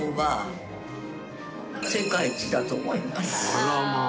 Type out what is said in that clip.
あらまあ。